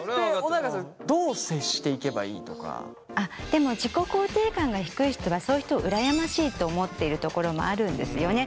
でも自己肯定感が低い人はそういう人をうらやましいと思っているところもあるんですよね。